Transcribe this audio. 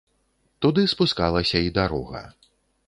Туды спускалася і дарога.